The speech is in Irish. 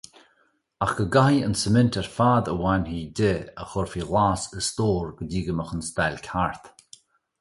Ach go gcaithfí an suimint ar fad a bhainfí di a chur faoi ghlas i stór go dtí go mbeadh an stailc thart.